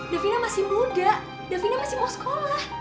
davina masih muda davina masih mau sekolah